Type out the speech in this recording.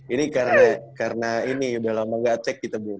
ini karena ini udah lama gak cek kita belum